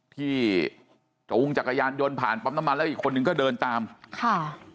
ที่ตะวุงจักรยานโยนผ่านปั๊บน้ำมันแล้วอีกคนหนึ่งก็เดินตามค่ะ